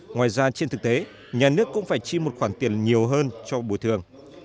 ngoài ra trên thực tế nhà nước cũng phải chi một khoản tiền nhiều hơn cho bồi thường